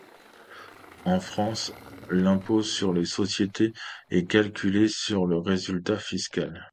En France, l'impôt sur les sociétés est calculé sur le résultat fiscal.